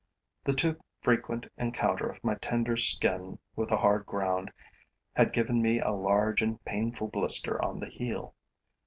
The too frequent encounter of my tender skin with the hard ground had given me a large and painful blister on the heel.